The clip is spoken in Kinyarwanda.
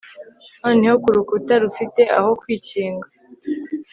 Noneho kurukuta rufite aho kwikinga